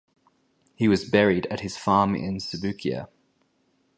He was buried at his farm in Subukia.